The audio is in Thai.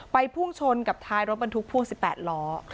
พุ่งชนกับท้ายรถบรรทุกพ่วง๑๘ล้อ